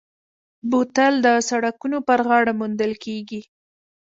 بوتل د سړکونو پر غاړه موندل کېږي.